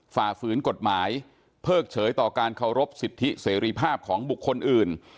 ฝ่าฝืนกฎหมายเพิกเฉยต่อการเคารพสิทธิเสรีภาพของบุคคลอื่น